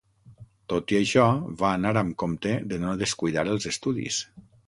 Tot i això va anar amb compte de no descuidar els estudis.